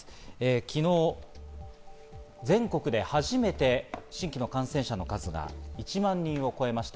昨日、全国で初めて新規の感染者の数が１万人を超えました。